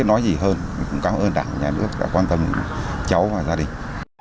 nhà nước đã quan tâm cháu và gia đình